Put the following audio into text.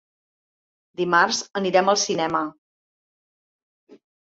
Dimarts anirem al cinema.